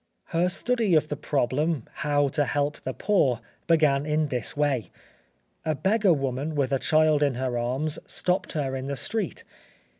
Her study of the problem, how to help the poor, began in this way. A beggar woman with a child in her arms stopped her in the street.